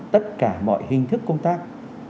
tất cả mọi hình thức công tác